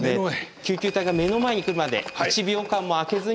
救急隊が目の前に来るまで１秒間も空けずに。